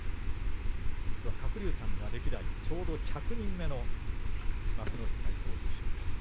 鶴竜さんが歴代ちょうど１００人目の幕内最高優勝です。